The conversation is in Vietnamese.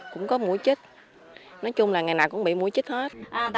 cũng có mũi chích nói chung là ngày nào cũng bị mũi chích hết